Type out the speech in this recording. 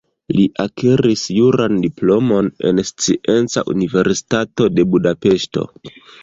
Li akiris juran diplomon en Scienca Universitato de Budapeŝto.